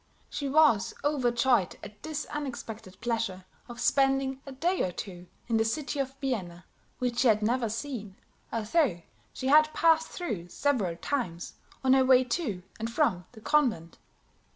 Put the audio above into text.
She was overjoyed at this unexpected pleasure of spending a day or two in the city of Vienna, which she had never seen, although she had passed through several times on her way to and from the convent.